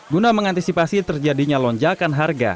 guna mengantisipasi terjadinya lonjakan harga